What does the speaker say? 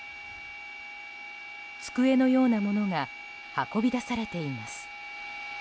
机のようなものが運び出されています。